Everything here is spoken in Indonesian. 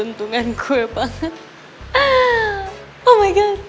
emang kamu kelas yuk